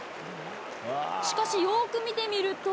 しかし、よーく見てみると。